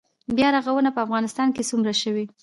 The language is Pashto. بیا رغونه په افغانستان کې څومره شوې؟